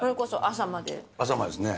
朝までですね。